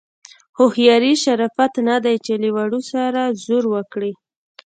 هوښیاري شرافت نه دی چې له وړو سره زور وکړي.